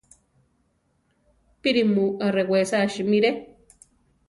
¡Píri mu arewesa simire!